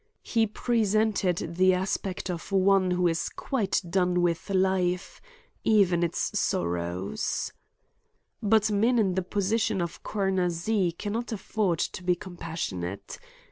He presented the aspect of one who is quite done with life, even its sorrows. But men in the position of Coroner Z. can not afford to be compassionate.